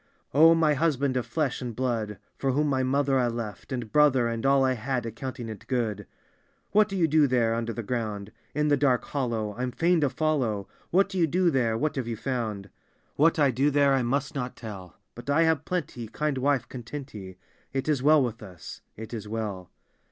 "Oh, my husband of flesh and blood, For whom my mother 1 left, and brother. And all I had, accounting it good, " What do you do there, under the ground, In the dark hollow? I'm fain to follow. What do you do there? What have you found?" —" What I do there I must not tell, But I have plenty — kind wife, content ye: It is well with us: it is well.